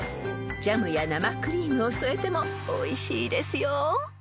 ［ジャムや生クリームを添えてもおいしいですよ］